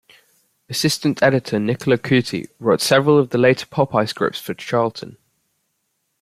Assistant editor Nicola Cuti wrote several of the later "Popeye" scripts for Charlton.